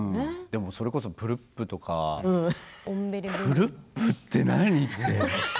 それこそプルップとかプルップって何？って。